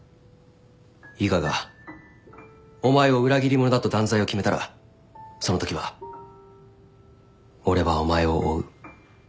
伊賀がお前を裏切り者だと断罪を決めたらそのときは俺はお前を追う。